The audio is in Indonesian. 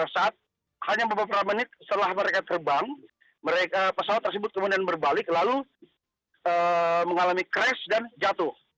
saat hanya beberapa menit setelah mereka terbang pesawat tersebut kemudian berbalik lalu mengalami crash dan jatuh